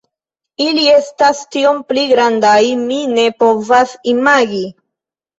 Ili estas tiom pli grandaj, mi ne povas imagi.